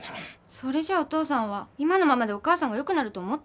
それじゃあお父さんは今のままでお母さんがよくなると思ってるの？